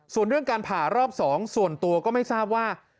ส่วนเรื่องการผ่ารอบ๒ส่วนตัวก็ไม่ทราบว่า